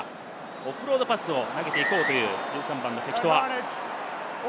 オフロードパスを投げていこうという１３番のフェキトア。